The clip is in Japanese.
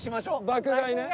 爆買いね。